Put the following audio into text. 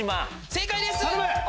正解です！